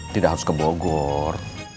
tidak harus ke bogor